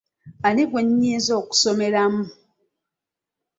Ani gwe nnyinza okusomeramu?